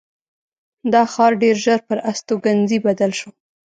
دا ښار ډېر ژر پر استوګنځي بدل شو.